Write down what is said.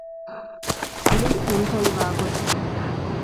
ޢަލީ ފެންކަޅިވާގޮތް ވި